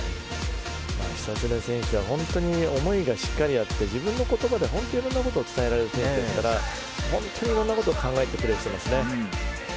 久常選手は本当に思いがしっかりあって自分の言葉でいろんなことを伝えられる選手ですからいろんなことを考えてプレーしていますね。